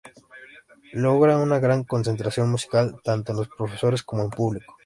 Logra una gran concentración musical tanto en los profesores como en público.